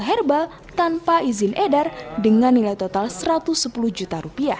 herbal tanpa izin edar dengan nilai total rp satu ratus sepuluh juta